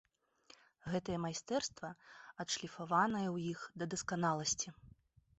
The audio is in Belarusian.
Гэтае майстэрства адшліфаванае ў іх да дасканаласці.